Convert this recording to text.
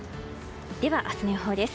では、明日の予報です。